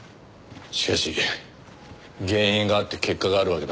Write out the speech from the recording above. しかし原因があって結果があるわけだからな。